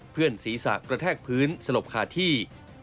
เพื่อนศีรษะกระแทกพื้นสลบคาที่